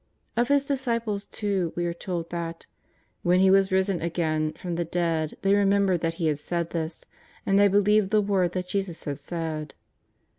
Of His disciples too we are told that ^^ when He was risen again from the dead they remembered that He had said this, and they believed the word that Jesus had said.''